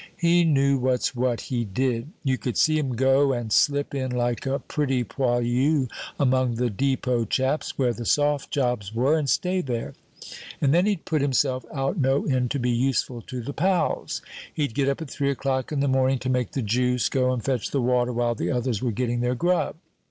He knew what's what, he did. You could see him go and slip in like a pretty poilu among the depot chaps, where the soft jobs were, and stay there; and then he'd put himself out no end to be useful to the pals. He'd get up at three o'clock in the morning to make the juice, go and fetch the water while the others were getting their grub.